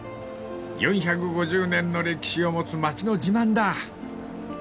［４５０年の歴史を持つ町の自慢だ］